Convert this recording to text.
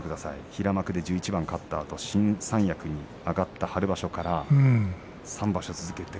平幕で１１番勝ったあと新三役に上がった、春場所から３場所続けて。